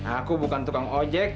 aku bukan tukang ojek